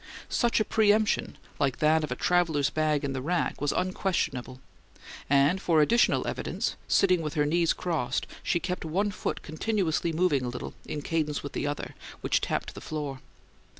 Such a preemption, like that of a traveller's bag in the rack, was unquestionable; and, for additional evidence, sitting with her knees crossed, she kept one foot continuously moving a little, in cadence with the other, which tapped the floor.